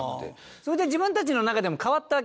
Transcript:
それで自分たちの中でも変わったわけ？